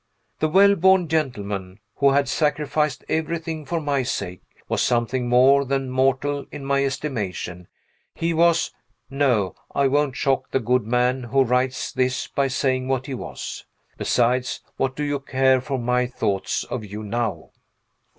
The well born gentleman who had sacrificed everything for my sake, was something more than mortal in my estimation; he was no! I won't shock the good man who writes this by saying what he was. Besides, what do you care for my thoughts of you now?